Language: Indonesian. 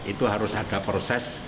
itu harus ada proses